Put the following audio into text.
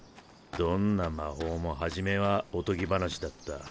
どんな魔法も初めはおとぎ話だった。